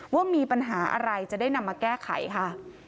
ว่ามีปัญหาอะไรจะได้นำมาแก้ไขค่ะ